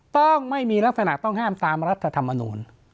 ต้องไม่มีลักษณะต้องห้ามตามรัฐธรรมนูล